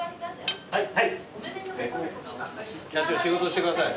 社長仕事してください。